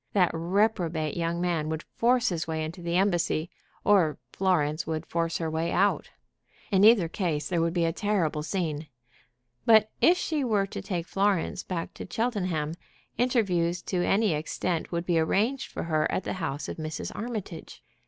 That reprobate young man would force his way into the embassy, or Florence would force her way out. In either case there would be a terrible scene. But if she were to take Florence back to Cheltenham, interviews to any extent would be arranged for her at the house of Mrs. Armitage.